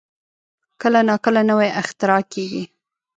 کله نا کله نوې اختراع کېږي.